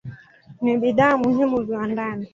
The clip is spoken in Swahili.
Ni bidhaa muhimu viwandani.